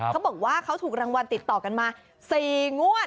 เขาบอกว่าเขาถูกรางวัลติดต่อกันมา๔งวด